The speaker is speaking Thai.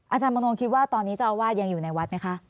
อาจารย์มโนคิดว่าตอนนี้เจ้าอาวาสยังอยู่ในวัดไหมคะ